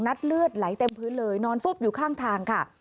เลือดไหลเต็มพื้นเลยนอนฟุบอยู่ข้างทางค่ะ